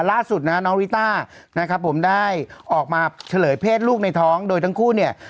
ล่าสุดนะน้องริต้านะครับผมได้ออกมาเฉลยเพศลูกในท้องโดยทั้งคู่เนี่ย